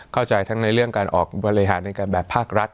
เข้าใจทั้งในเรื่องการออกบริหารในการแบบภาครัฐ